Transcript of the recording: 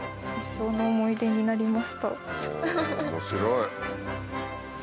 面白い。